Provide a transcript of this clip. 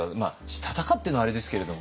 したたかっていうのはあれですけれども。